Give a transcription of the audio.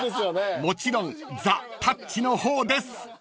［もちろんザ・たっちの方です］